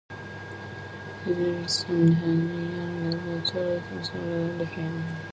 His eldest son, Henry Herbert Lartey, succeeded him.